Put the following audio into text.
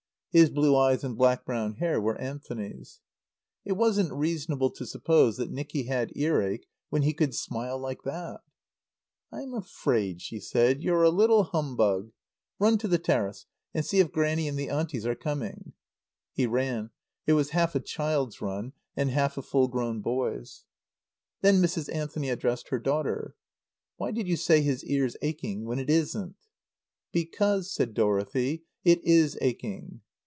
(His blue eyes and black brown hair were Anthony's.) It wasn't reasonable to suppose that Nicky had earache when he could smile like that. "I'm afraid," she said, "you're a little humbug. Run to the terrace and see if Grannie and the Aunties are coming." He ran. It was half a child's run and half a full grown boy's. Then Mrs. Anthony addressed her daughter. "Why did you say his ear's aching when it isn't?" "Because," said Dorothy, "it is aching."